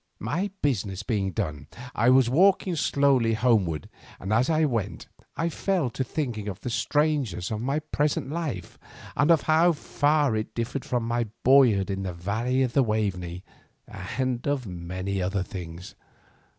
My business being done I was walking slowly homeward, and as I went I fell to thinking of the strangeness of my present life and of how far it differed from my boyhood in the valley of the Waveney, and of many other things.